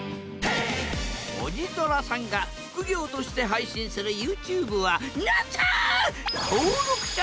おじとらさんが副業として配信するＹｏｕＴｕｂｅはなんと！